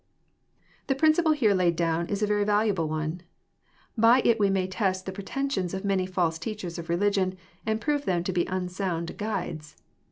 """"^. The principle here laid down is a very valuable one. By it we may test the pretensions of many false teachers of religion, and prove them to be unsound guides.